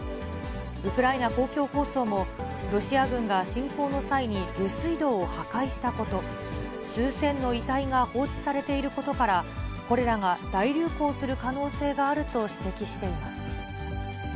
ウクライナ公共放送も、ロシア軍が侵攻の際に、下水道を破壊したこと、数千の遺体が放置されていることから、コレラが大流行する可能性があると指摘しています。